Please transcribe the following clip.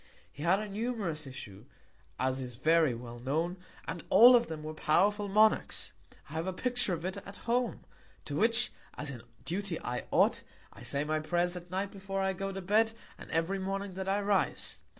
He had a numerous Issue, as is very well known, and all of them were powerful Monarchs. I have a Picture of it at Home, to which, as in Duty I ought, I Say my Prayers at Night before I go to Bed, and every Morning that I rise.